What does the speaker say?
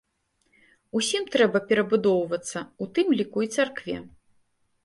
Усім трэба перабудоўвацца, у тым ліку і царкве.